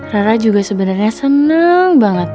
rara juga sebenernya seneng banget